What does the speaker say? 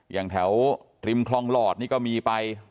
อย่างแถวริมคลองหลอดนี่ก็มีไป